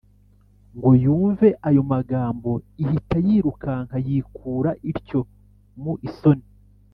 ngo yumve ayo magambo, ihita yirukanka yikura ityo mu isoni